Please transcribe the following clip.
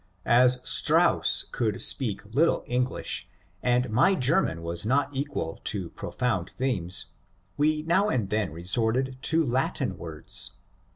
As Strauss could speak little English, and my German was not equal to profound themes, we now and then resorted to Latin words.